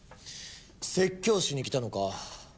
説教しに来たのか？